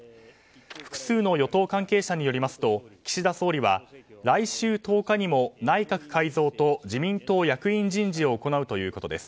複数の与党関係者によりますと岸田総理は来週１０日にも内閣改造と自民党役員人事を行うということです。